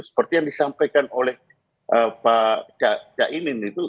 seperti yang disampaikan oleh pak caimin itu